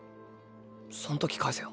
そん時返せよ。